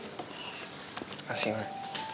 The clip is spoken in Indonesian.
terima kasih mbak